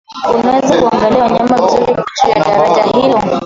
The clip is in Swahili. unawezo kuangalia wanyama vizuri ukiwa juu ya daraja hilo